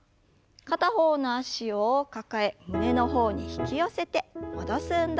片方の脚を抱え胸の方に引き寄せて戻す運動です。